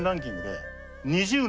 え２０年！？